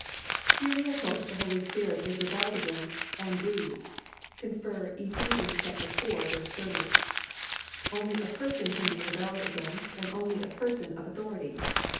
Here we are told that the Holy Spirit is rebelled against and grieved (cf. Eph. iv. 30). Only a person can be rebelled against and only a person of authority.